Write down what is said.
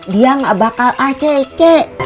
dia nggak bakal acc